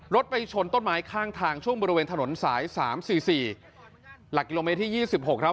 ไปชนต้นไม้ข้างทางช่วงบริเวณถนนสาย๓๔๔หลักกิโลเมตรที่๒๖ครับ